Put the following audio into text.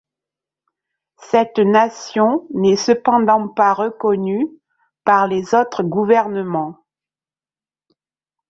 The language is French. Cette nation n'est cependant pas reconnue par les autres gouvernements.